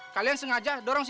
kalian sengaja dorong putri